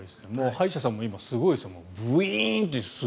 歯医者さんも今、すごいんです。